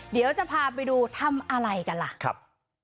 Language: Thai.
เดี๋ยวจะพาไปดูทำอะไรกันล่ะครับ